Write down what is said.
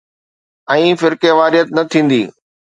۽ فرقيواريت نه ٿيندي.